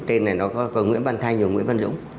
tên này nó có nguyễn văn thanh và nguyễn văn dũng